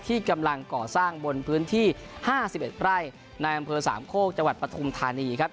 ที่กำลังก่อสร้างบนพื้นที่๕๑ไร่ในอำเภอสามโคกจังหวัดปฐุมธานีครับ